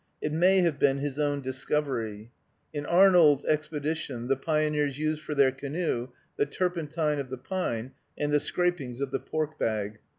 It may have been his own discovery. In Arnold's expedition the pioneers used for their canoe "the turpentine of the pine, and the scrapings of the pork bag."